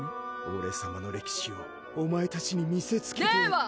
オレさまの歴史をお前たちにみせつけてやるでは！